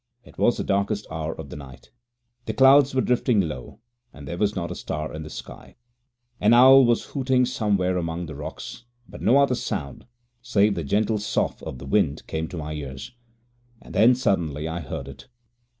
It was the darkest hour of the night. The clouds were drifting low, and there was not a star in the sky. An owl was hooting somewhere among the rocks, but no other sound, save the gentle sough of the wind, came to my ears. And then suddenly I heard it!